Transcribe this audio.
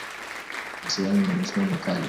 i mwisilamu mwenye msimamo mkali